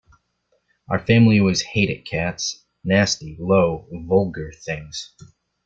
Our family always hated cats: nasty, low, vulgar things!